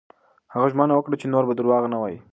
هغه ژمنه وکړه چې نور به درواغ نه وايي.